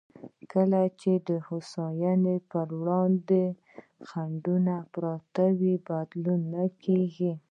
کله چې د هوساینې پر وړاندې خنډونه پراته وي، بدلون نه کېږي.